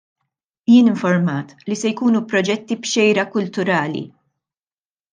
Jien informat li se jkunu proġetti b'xejra kulturali.